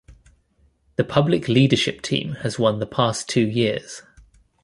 The Public Leadership team has won the past two years.